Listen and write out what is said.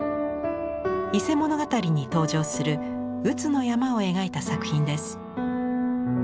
「伊勢物語」に登場する宇津の山を描いた作品です。